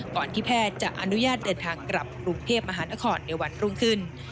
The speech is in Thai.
ก่อนที่แพทย์จะอนุญาตเดินทางกลับกรุงเทพมหานครในวันรุ่งขึ้น